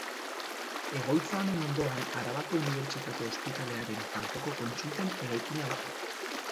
Egoitza honen ondoan Arabako Unibertsitate Ospitalearen Kanpoko Kontsulten eraikina dago.